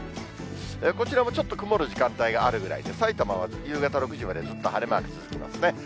こちらもちょっと曇る時間帯があるぐらいで、さいたまは夕方６時までずっと晴れマーク続きますね。